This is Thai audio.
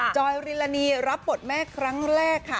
จอยริลานีรับบทแม่ครั้งแรกค่ะ